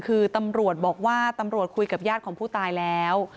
คือตำรวจบอกว่าตำรวจคุยกับญาติของผู้ตายแล้ว